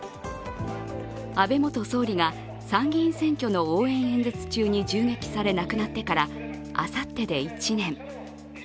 安倍元総理が参議院選挙の応援演説中に銃撃され亡くなってからあさってで１年。